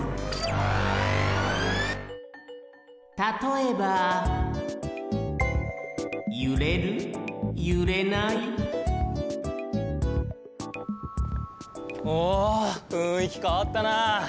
たとえばおふんいきかわったな。